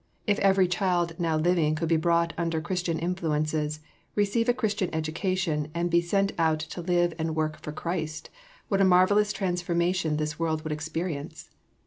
If every child now living could be brought under Christian influences, receive a Christian education, and be sent out to live and work for Christ, what a marvelous transformation this world would experience!